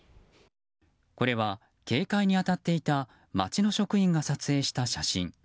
これは警戒に当たっていた町の職員が撮影した写真。